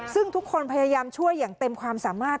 ซึ่งทุกคนพยายามช่วยอย่างเต็มความสามารถ